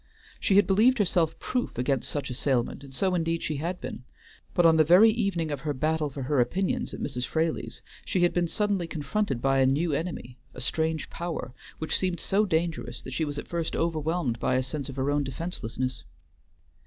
She had believed herself proof against such assailment, and so indeed she had been; but on the very evening of her battle for her opinions at Mrs. Fraley's she had been suddenly confronted by a new enemy, a strange power, which seemed so dangerous that she was at first overwhelmed by a sense of her own defenselessness.